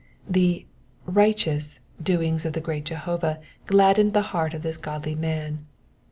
The righteous doings of the great Judge gladdened the heart of this godly man.